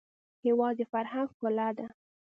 هېواد د فرهنګ ښکلا ده.